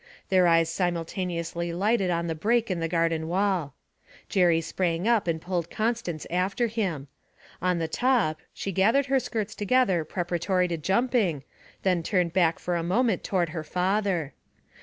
Their eyes simultaneously lighted on the break in the garden wall. Jerry sprang up and pulled Constance after him. On the top, she gathered her skirts together preparatory to jumping, then turned back for a moment toward her father.